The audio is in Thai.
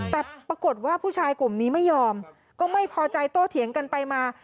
แต่ปรากฏว่าผู้ชายกลุ่มนี้ไม่ยอมก็ไม่พอใจโต้เถียงกันไปมา